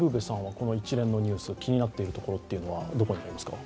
この一連のニュース、気になっているところはどこになりますか？